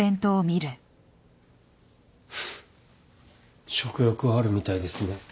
フンッ食欲はあるみたいですね。